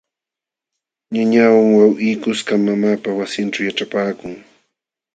Ñañawan wawqii kuskam mamaapa wasinćhu yaćhapaakun.